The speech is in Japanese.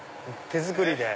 手作りで。